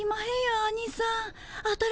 アニさん！